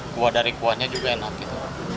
buah dari kuahnya juga enak gitu